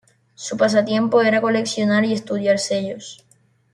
Su pasatiempo era coleccionar y estudiar sellos.